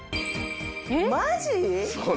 マジ！？